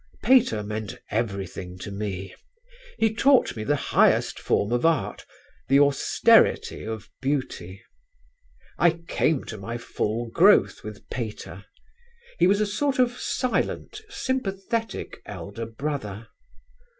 Pater meant everything to me. He taught me the highest form of art: the austerity of beauty. I came to my full growth with Pater. He was a sort of silent, sympathetic elder brother.